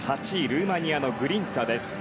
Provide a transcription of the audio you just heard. ルーマニアのグリンツァです。